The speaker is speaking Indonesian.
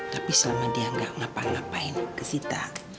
tapi selama dia gak ngapa ngapain ke sita